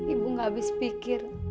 ibu gak habis pikir